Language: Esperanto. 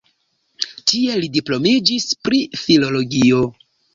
Tie li diplomiĝis pri filologio.